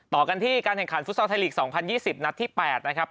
ต่อกันที่การแข่งขันฟุตซอลไทยลีก๒๐๒๐นัดที่๘นะครับ